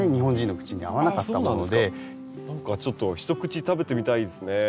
何かちょっと一口食べてみたいですね。